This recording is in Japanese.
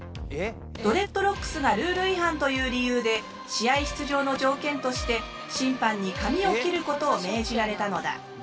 ドレッドロックスがルール違反という理由で試合出場の条件として審判に髪を切ることを命じられたのだ。